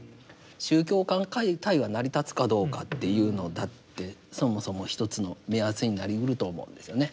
宗教間対話成り立つかどうかっていうのだってそもそも一つの目安になりうると思うんですよね。